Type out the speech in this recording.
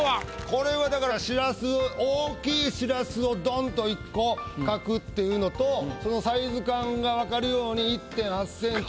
これはだから大きいしらすをドンと１個描くっていうのとそのサイズ感が分かるように「１．８ｃｍ」っていう。